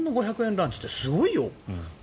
ランチってすごいよ。